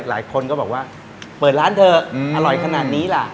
หลายคนก็บอกว่าเปิดร้านเถอะอร่อยขนาดนี้ล่ะ